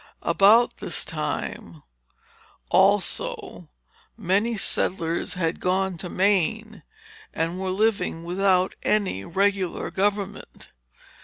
About this time, also, many settlers had gone to Maine, and were living without any regular government.